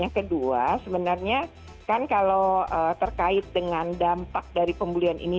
yang kedua sebenarnya kan kalau terkait dengan dampak dari pembulian ini